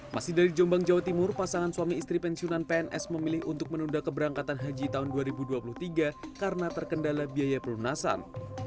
masih dari jombang jawa timur pasangan suami istri pensiunan pns memilih untuk menunda keberangkatan haji tahun dua ribu dua puluh tiga karena terkendala biaya pelunasan